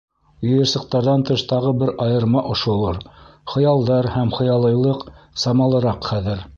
Йыйырсыҡтарҙан тыш тағы бер айырма ошолор: хыялдар һәм хыялыйлыҡ самалыраҡ хәҙер.